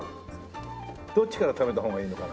どっちから食べた方がいいのかな。